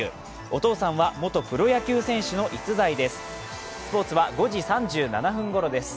お父さんは元プロ野球選手の逸材です。